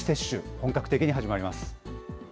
本格的に始まります。